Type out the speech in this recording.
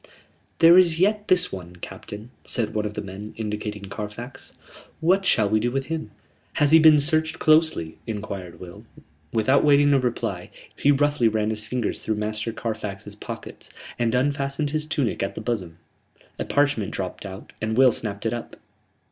"There is yet this one, captain," said one of the men, indicating Carfax. "What shall we do with him?" "Has he been searched closely?" enquired Will. Without waiting a reply, he roughly ran his fingers through Master Carfax's pockets, and unfastened his tunic at the bosom. A parchment dropped out and Will snapped it up.